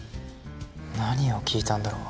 何を聞いたんだろう。